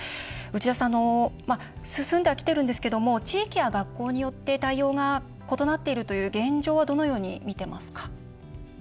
内田さん進んではきてるんですけども地域や学校によって対応が異なっているという現状はどのように見てますか？